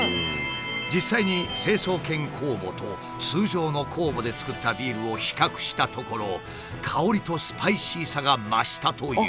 実際に成層圏酵母と通常の酵母で造ったビールを比較したところ香りとスパイシーさが増したという。